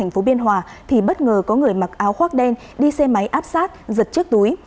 thành phố biên hòa thì bất ngờ có người mặc áo khoác đen đi xe máy áp sát giật chiếc túi